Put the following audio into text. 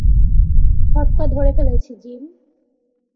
খটকা ধরে ফেলেছি, জিম।